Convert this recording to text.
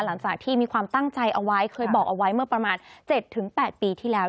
หลังจากที่มีความตั้งใจเอาไว้เคยบอกเอาไว้เมื่อประมาณ๗๘ปีที่แล้ว